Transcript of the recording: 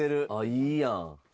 いいやん。